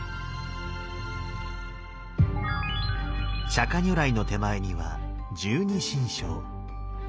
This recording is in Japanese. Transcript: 釈如来の手前には十二神将。